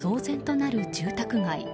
騒然となる住宅街。